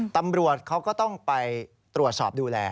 ตำรวจเขาก็ต้องไปตรวจสอบดูแล